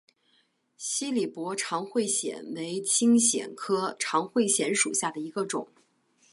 西里伯长喙藓为青藓科长喙藓属下的一个种。